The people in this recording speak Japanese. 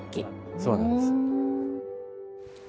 そうなんです。